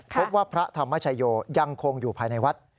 พบว่าพระธรรมชัยโยยังคงอยู่ภายในวัด